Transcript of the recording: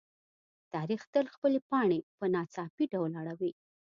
تاریخ تل خپلې پاڼې په ناڅاپي ډول اړوي.